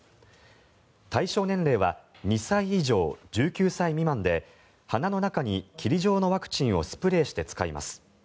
対象年齢は２歳以上１９歳未満で鼻の中に霧状のワクチンをスプレーして使います。